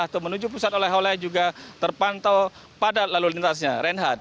atau menuju pusat oleh oleh juga terpantau padat lalu lintasnya reinhardt